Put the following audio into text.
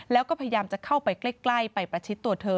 แล้วก็พยายามจะเข้าไปใกล้ไปประชิดตัวเธอ